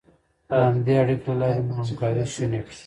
د همدې اړیکې له لارې مو همکاري شونې کړه.